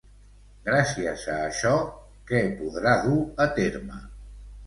Gràcies a això, què podrà dur a terme?